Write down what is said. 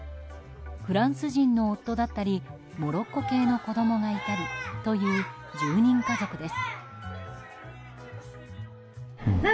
フランス人の夫だったりモロッコ系の子供がいたりという１０人家族です。